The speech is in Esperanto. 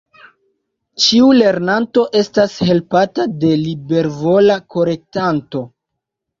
Ĉiu lernanto estas helpata de libervola korektanto.